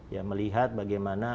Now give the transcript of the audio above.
ya melihat bagaimana